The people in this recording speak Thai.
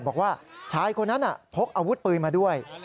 บอกว่าชายคนนั้นพกอาวุธปืนมาด้วย